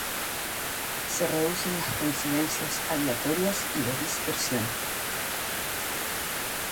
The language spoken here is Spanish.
Se reducen las coincidencias aleatorias y de dispersión.